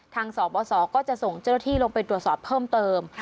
สบสก็จะส่งเจ้าหน้าที่ลงไปตรวจสอบเพิ่มเติม